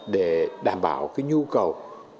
để đảm bảo nhu cầu